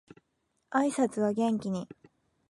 挨拶は元気に